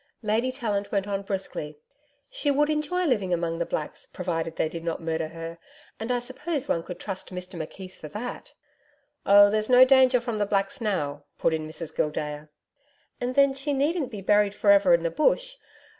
Lady Tallant went on briskly. 'She would enjoy living among the blacks, provided they did not murder her, and I suppose one could trust Mr McKeith for that.' 'Oh, there's no danger from the blacks now,' put in Mrs Gildea. 'And then she needn't be buried for ever in the Bush.